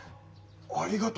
ありがとう。